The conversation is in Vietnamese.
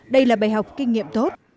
đây là bài học kinh nghiệm tốt